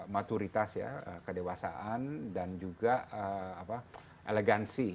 maturitas ya kedewasaan dan juga elegansi